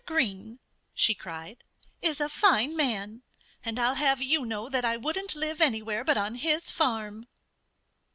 Green," she cried, "is a fine man. And I'll have you know that I wouldn't live anywhere but on his farm!"